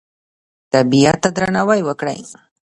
طبیعت ته درناوی وکړئ